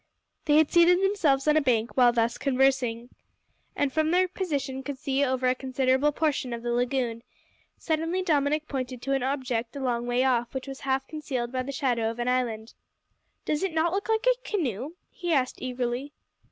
They had seated themselves on a bank while thus conversing, and from their position could see over a considerable portion of the lagoon. Suddenly Dominick pointed to an object a long way off, which was half concealed by the shadow of an island. "Does it not look like a canoe?" he asked eagerly.